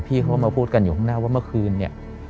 เขาก็มาพูดกันอยู่ข้างหน้าว่าเมื่อคืนเนี่ย